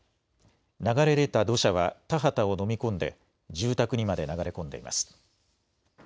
流れ出た土砂は田畑を飲み込んで、住宅にまで流れ込んでいます。